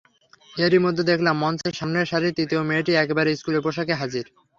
এরই মধ্যে দেখলাম, মঞ্চে সামনের সারির তৃতীয় মেয়েটি একেবারে স্কুলের পোশাকে হাজির।